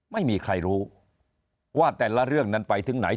ไม่มีใครรู้ว่าแต่ละเรื่องนั้นไปถึงไหน